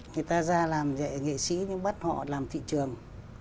người ta ra làm nghệ sĩ nhưng bắt họ làm thị trường